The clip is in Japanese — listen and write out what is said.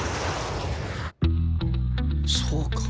そうか。